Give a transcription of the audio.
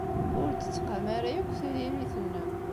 Ur d-tettqam ara akk tririt-nnem.